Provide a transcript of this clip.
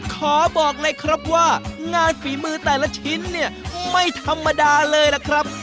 ขอบอกเลยครับว่างานฝีมือแต่ละชิ้นเนี่ยไม่ธรรมดาเลยล่ะครับ